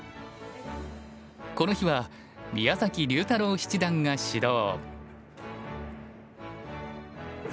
この日は宮崎龍太郎七段が指導。